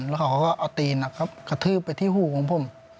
แล้วเขาก็เอาตีนนะครับกระทืบไปที่หูของผม